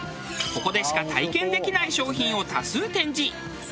ここでしか体験できない商品を多数展示。